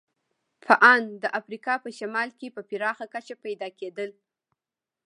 په ان د افریقا په شمال کې په پراخه کچه پیدا کېدل.